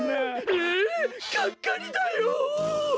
えがっかりだよ。